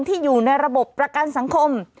อยู่ในระบบประกันสังคม